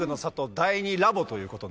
第２ラボ！